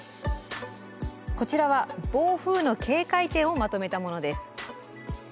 こちらは暴風雨の警戒点をまとめたものです。